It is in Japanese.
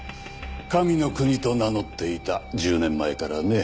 神の国と名乗っていた１０年前からね。